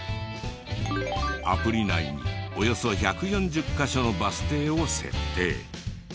アプリ内におよそ１４０カ所のバス停を設定。